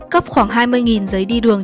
cấp khoảng hai mươi giấy đi đường